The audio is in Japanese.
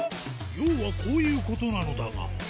要はこういうことなのだがでかい！